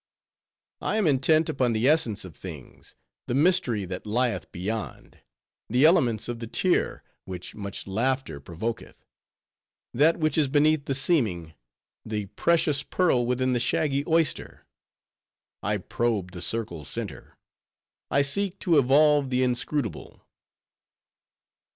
"I am intent upon the essence of things; the mystery that lieth beyond; the elements of the tear which much laughter provoketh; that which is beneath the seeming; the precious pearl within the shaggy oyster. I probe the circle's center; I seek to evolve the inscrutable."